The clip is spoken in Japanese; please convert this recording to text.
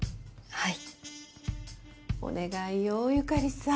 はい。